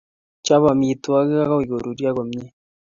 Chop amitwogik akoy koruryo komye.